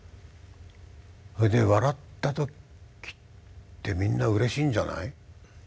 それで笑った時ってみんなうれしいんじゃない？